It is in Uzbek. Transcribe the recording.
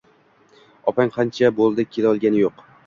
Opang qancha bo’ldi kelolgani yo’q.